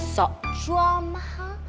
sok jual mahal